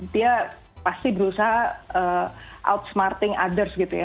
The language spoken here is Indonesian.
dia pasti berusaha outsmarting others gitu ya